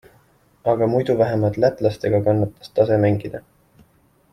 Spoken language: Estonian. Aga muidu vähemalt lätlastega kannatas tase mängida.